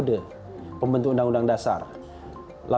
walaupun mungkin kata pembentuk undang undang maksudnya dua persoalan